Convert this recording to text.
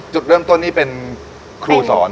จุดเริ่มต้นนี่เป็นครูสอน